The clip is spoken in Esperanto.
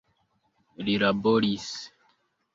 Li laboris.